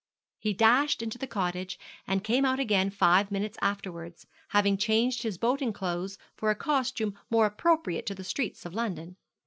He dashed into the cottage, and came out again five minutes afterwards, having changed his boating clothes for a costume more appropriate to the streets of London.